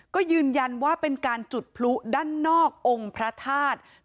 ก็ยืนยันว่าเป็นการจุดพลุด้านนอกองค์พระธาตุ